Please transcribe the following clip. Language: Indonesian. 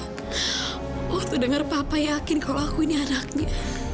waktu dengar papa yakin kalau aku ini anaknya